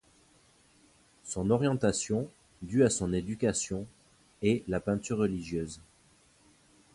Son orientation, due à son éducation, est la peinture religieuse.